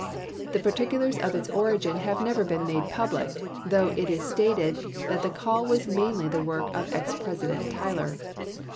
The particulars of its origin have never been made public, though it is stated that the call was mainly the work of ex President Tyler.